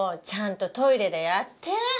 ちゃんとトイレでやって！